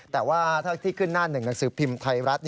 แต่ว่าเท่าที่ขึ้นหน้าหนึ่งหนังสือพิมพ์ไทยรัฐ